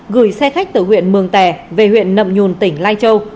gửi xe khách từ huyện mường tè về huyện nậm nhùn tỉnh lai châu